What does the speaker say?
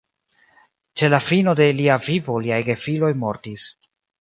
Ĉe la fino de lia vivo liaj gefiloj mortis.